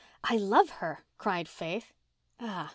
"I love her," cried Faith. "Ah!"